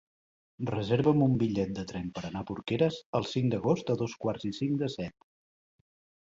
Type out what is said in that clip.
Reserva'm un bitllet de tren per anar a Porqueres el cinc d'agost a dos quarts i cinc de set.